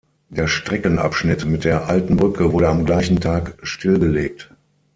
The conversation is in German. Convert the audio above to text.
Der Streckenabschnitt mit der alten Brücke wurde am gleichen Tag stillgelegt.